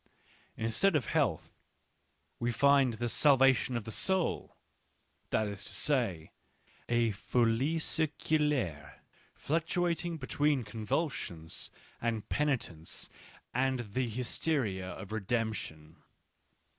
Instead of health, we find the " salvation of the soul "— that is to say, a folic cir culate fluctuating between convulsions and peni tence and the hysteria of redemption.